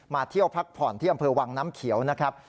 เที่ยวพักผ่อนที่อำเภอวังน้ำเขียวนะครับ